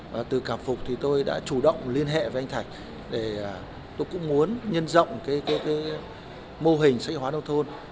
và từ cảm phục thì tôi đã chủ động liên hệ với anh thạch để tôi cũng muốn nhân rộng cái mô hình sách khoa học nông thôn